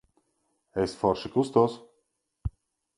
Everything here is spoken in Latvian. Es forši kustos.